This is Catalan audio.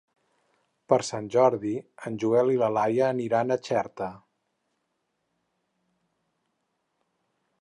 Per Sant Jordi en Joel i na Laia aniran a Xerta.